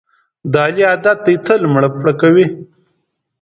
د علي عادت دی تل مړه پړه کوي.